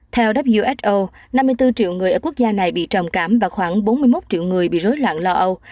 theo who năm mươi bốn triệu người ở quốc gia này bị trầm cảm và khoảng bốn mươi một triệu người bị rối loạn lo âu